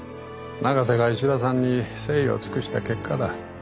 永瀬が石田さんに誠意を尽くした結果だ。